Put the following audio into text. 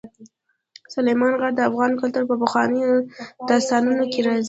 سلیمان غر د افغان کلتور په پخوانیو داستانونو کې راځي.